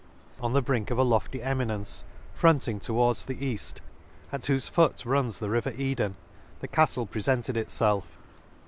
On the brink of a lofty eminence, fronting towards the eafl, at whofe foot runs the river Eden, the Caftle prefented itfelf.